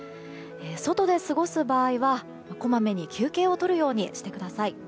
外で過ごす場合は、こまめに休憩をとるようにしてください。